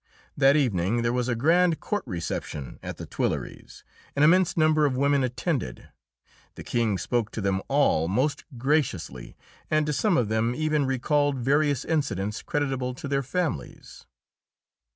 That evening there was a grand court reception at the Tuileries; an immense number of women attended. The King spoke to them all most graciously and to some of them even recalled various incidents creditable to their families.